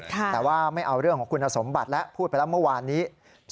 แต่ว่าไม่เอาเรื่องของคุณสมบัติแล้วพูดไปแล้วเมื่อวานนี้